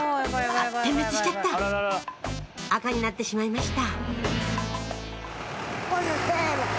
点滅しちゃった赤になってしまいました